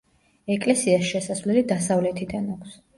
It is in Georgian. ეკლესიას შესასვლელი დასავლეთიდან აქვს.